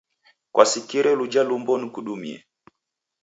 Kwasikire luja lumbo nikudumie?